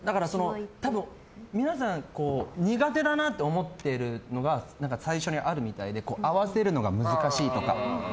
多分、皆さん苦手だなって思ってるのが最初にあるみたいで合わせるのが難しいとか。